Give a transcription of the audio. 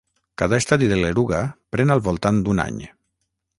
Cada estadi de l'eruga pren al voltant d'un any.